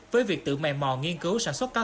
với việc tự mè mò nghiên cứu sản xuất cá